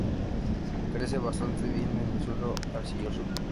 Crece bastante bien en suelos arcillosos.